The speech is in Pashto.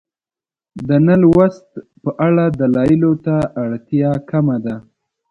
د نه لوست په اړه دلایلو ته اړتیا کمه ده.